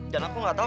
dan aku gak tau